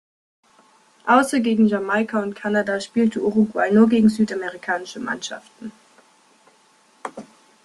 Außer gegen Jamaika und Kanada spielte Uruguay nur gegen südamerikanische Mannschaften.